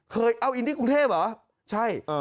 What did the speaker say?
เคยเอ้าอินดี้กรุงเทพฯเหรอใช่เอ่อ